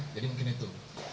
jadi mungkin itu